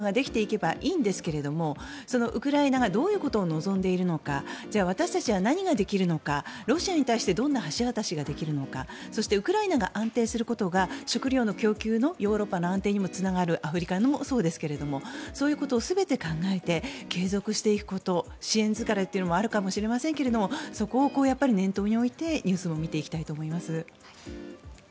たとえ本当に声明が出されなかったとしてもでもそれを続けていくということが大事なことでもちろんロシアが参加してくれて話し合う場ができていけばいいんですがウクライナがどういうことを望んでいるのかじゃあ、私たちは何ができるのかロシアに対してどんな橋渡しができるのかそして、ウクライナが安定することが食料の供給のヨーロッパの安定にもつながるアフリカもそうですがそういうことを全て考えて継続していくこと支援疲れということもあるかもしれませんがそこをやっぱり念頭に置いてニュースを見ていきたいと思います。